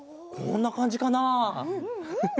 こんなかんじかなフフッ。